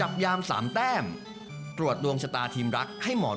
สวัสดีครับ